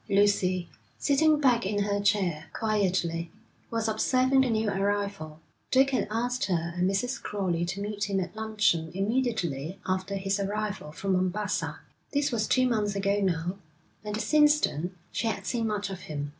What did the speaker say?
Lucy, sitting back in her chair, quietly, was observing the new arrival. Dick had asked her and Mrs. Crowley to meet him at luncheon immediately after his arrival from Mombassa. This was two months ago now, and since then she had seen much of him.